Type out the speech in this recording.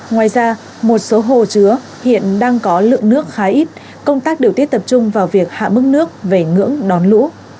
ngoài ra một số hồ chứa hiện đang có lượng nước khá ít công tác điều tiết tập trung vào việc hạ mức nước về ngưỡng đón lũ